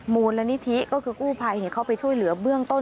มูลนิธิก็คือกู้ภัยเข้าไปช่วยเหลือเบื้องต้น